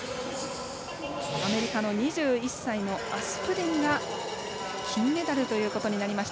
アメリカの２１歳のアスプデンが金メダルということになりました。